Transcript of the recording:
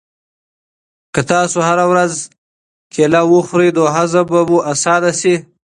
که تاسو هره ورځ کیله وخورئ نو هضم به مو اسانه شي.